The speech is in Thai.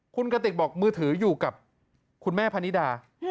คุณกติกบอกมือถืออยู่กับคุณแม่พนิดา